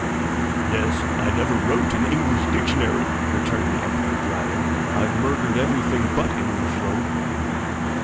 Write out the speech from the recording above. "Yes. I never wrote an English dictionary," returned the Emperor, dryly. "I've murdered everything but English, though."